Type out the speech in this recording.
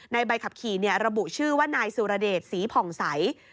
ใบขับขี่ระบุชื่อว่านายสุรเดชศรีผ่องใส